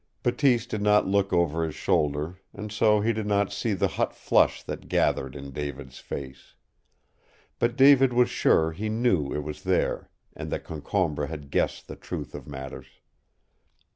Bateese did not look over his shoulder, and so he did not see the hot flush that gathered in David's face. But David was sure he knew it was there and that Concombre had guessed the truth of matters.